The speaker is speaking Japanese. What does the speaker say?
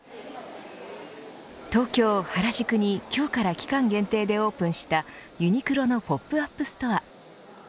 東京・原宿に今日から期間限定でオープンしたユニクロのポップアップストア。